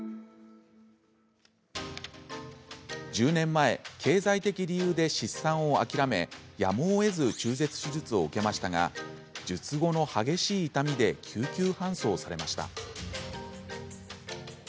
１０年前経済的理由で出産を諦めやむをえず中絶手術を受けましたが術後の激しい痛みで救急搬送されました。